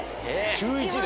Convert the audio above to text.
週１で？